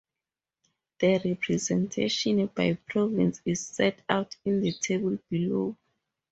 The representation by province is set out in the table below.